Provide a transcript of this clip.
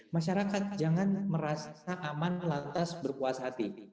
masyarakat jangan merasa aman lantas berpuas hati